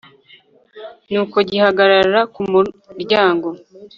Nuko gihagarara ku mu Umuryango